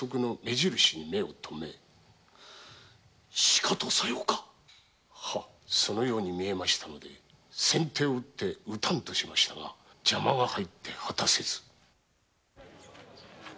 しかとさようかそのように見えましたので先手を打って討たんとしましたが邪魔が入って果たせず。